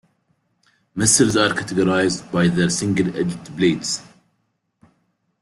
Messers are characterized by their single-edged blades.